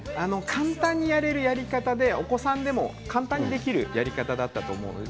簡単にやれるやり方でお子様でも簡単にやれるやり方だと思います。